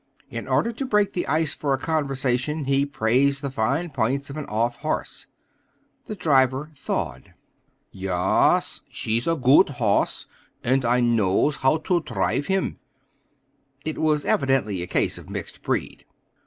In order to break the ice for a conversation, he praised the fine points of an off horse. The driver thawed: "Ya as; she's a goot hoss, und I knows how to trive him!" It was evidently a case of mixed breed.